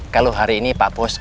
kalau hari ini pak pos